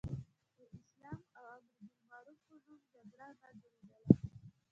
د اسلام او امر بالمعروف په نوم جګړه نه جوړېدله.